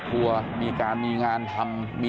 สวัสดีครับ